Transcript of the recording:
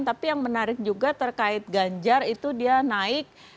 tapi yang menarik juga terkait ganjar itu dia naik